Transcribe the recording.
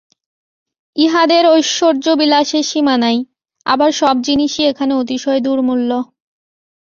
ইহাদের ঐশ্বর্যবিলাসের সীমা নাই, আবার সব জিনিষই এখানে অতিশয় দুর্মূল্য।